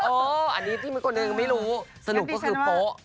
อันนี้พี่คนหนึ่งไม่รู้สรุปก็คือโป๊ะ